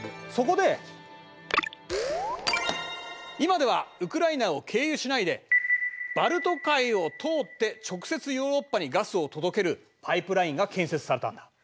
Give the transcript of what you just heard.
そこで今ではウクライナを経由しないでバルト海を通って直接ヨーロッパにガスを届けるパイプラインが建設されたんだ。